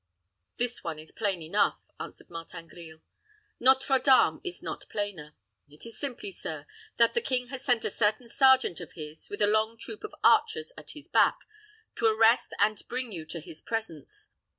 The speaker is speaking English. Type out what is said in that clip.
"This one is plain enough," answered Martin Grille. "Nôtre Dame is not plainer. It is simply, sir, that the king has sent a certain sergeant of his, with a long troop of archers at his back, to arrest and bring you to his presence.